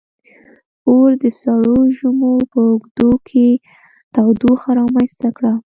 • اور د سړو ژمو په اوږدو کې تودوخه رامنځته کړه.